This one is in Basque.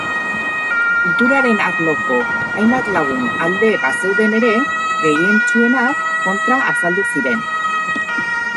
Kulturaren arloko hainbat lagun alde bazeuden ere, gehientsuenak kontra azaldu ziren.